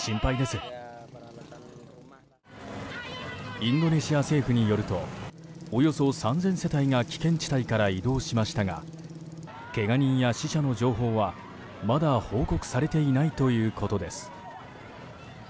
インドネシア政府によるとおよそ３０００世帯が危険地帯から移動しましたがけが人や死者の情報はまだ報告されていないということです。